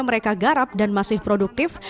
mereka garap dan masih produktif